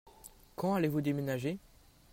Quand allez-vous déménager ?